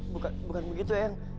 bukan bukan begitu ya yang